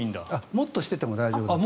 もっとしていても大丈夫です。